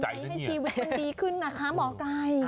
ให้ชีวิตมันดีขึ้นนะคะหมอไก่